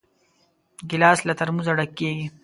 ګیلاس له ترموزه ډک کېږي.